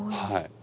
はい。